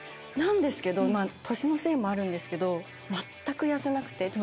なんですけどまぁ年のせいもあるんですけど全く痩せなくて。